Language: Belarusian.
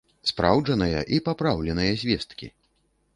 Спраўджаныя і папраўленыя звесткі!